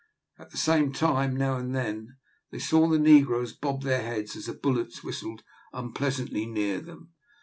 At the same time, now and then, they saw the negroes bob their heads as the bullets whistled unpleasantly near them.